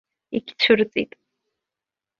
Егьцәырҵит.